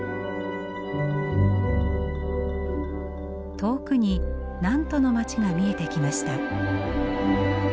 遠くにナントの街が見えてきました。